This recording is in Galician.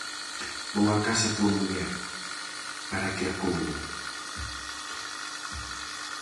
Vou á casa coa muller, para que acouguen.